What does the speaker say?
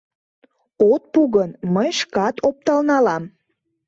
От пу гын, мый шкат оптал налам...